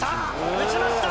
打ちました！